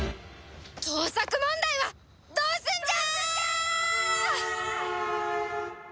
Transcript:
盗作問題はどうすんじゃ！